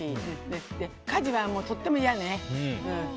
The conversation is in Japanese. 家事はとっても嫌ね。